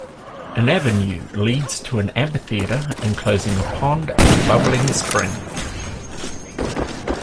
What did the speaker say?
An avenue leads to an amphitheatre enclosing a pond and bubbling spring.